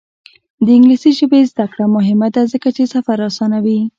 د انګلیسي ژبې زده کړه مهمه ده ځکه چې سفر اسانوي.